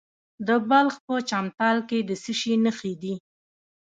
د بلخ په چمتال کې د څه شي نښې دي؟